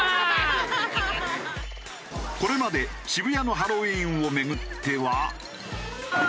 これまで渋谷のハロウィーンを巡っては。